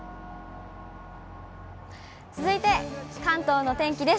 続いて関東の天気です。